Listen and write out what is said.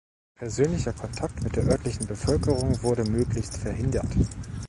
Persönlicher Kontakt mit der örtlichen Bevölkerung wurde möglichst verhindert.